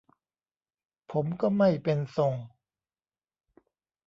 ผมก็ไม่เป็นทรง